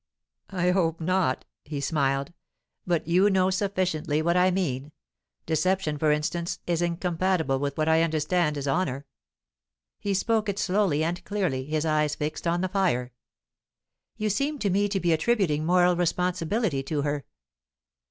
"I hope not." He smiled. "But you know sufficiently what I mean. Deception, for instance, is incompatible with what I understand as honour." He spoke it slowly and clearly, his eyes fixed on the fire. "You seem to me to be attributing moral responsibility to her."